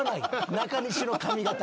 中西の髪形。